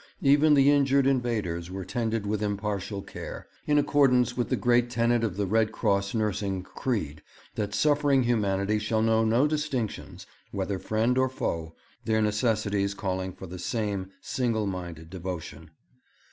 Even the injured invaders were tended with impartial care, in accordance with the great tenet of the Red Cross nursing creed, that suffering humanity shall know no distinctions, whether friend or foe, their necessities calling for the same single minded devotion.